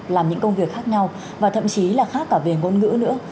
làm những công việc khác nhau và thậm chí là khác cả về ngôn ngữ nữa